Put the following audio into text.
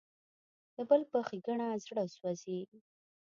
د بل په ښېګڼه زړه سوځي.